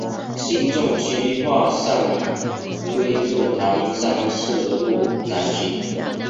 行政区划上归入唐山市路南区。